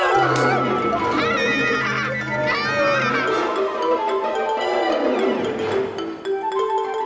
tidak di situ